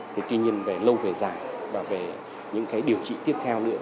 tuy nhiên về lâu về dài và về những điều trị tiếp theo nữa